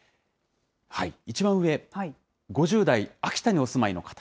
一番上、５０代、秋田にお住まいの方。